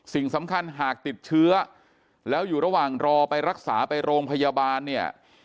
สิ่งสำคัญหากติดเชื้อแล้วอยู่ระหว่างรอไปรักษาไปโรงพยาบาลเนี่ย